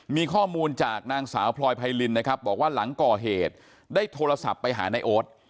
มีข้อมูลจากนางสาวพลอยไพรินนะครับบอกว่าหลังก่อเหตุได้โทรศัพท์ไปหานายโอ๊ต